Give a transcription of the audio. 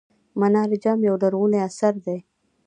منار جام یو لرغونی اثر دی.